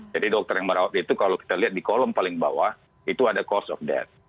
jadi dokter yang merawat itu kalau kita lihat di kolom paling bawah itu ada cost of death